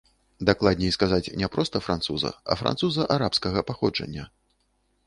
Дакладней сказаць, не проста француза, а француза арабскага паходжання.